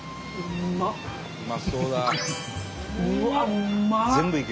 うわっうまっ！